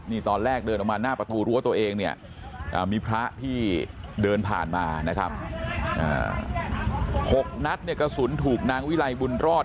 นี่ตอนแรกเดินออกมาหน้าประตูรั้วตัวเองเนี่ยมีพระที่เดินผ่านมานะครับ๖นัดเนี่ยกระสุนถูกนางวิลัยบุญรอด